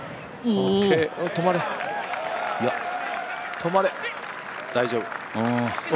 止まれ、大丈夫。